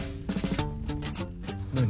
何？